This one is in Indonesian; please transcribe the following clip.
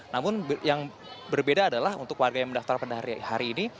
namun yang berbeda adalah untuk warga yang mendaftar pada hari ini